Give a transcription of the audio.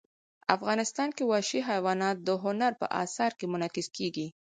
افغانستان کې وحشي حیوانات د هنر په اثار کې منعکس کېږي.